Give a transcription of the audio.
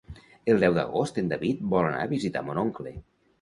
El deu d'agost en David vol anar a visitar mon oncle.